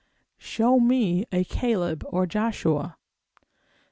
Show me a Caleb or a Joshua!